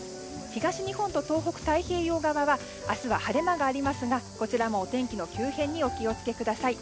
東日本と東北太平洋側は明日は晴れ間がありますがこちらもお天気の急変にお気を付けください。